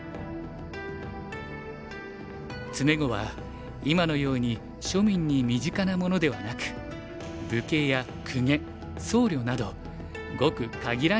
詰碁は今のように庶民に身近なものではなく武家や公家僧侶などごく限られた人が楽しむものでした。